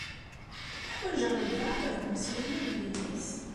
Ḥwajeɣ albaɛḍ ad mmeslayeɣ yid-s.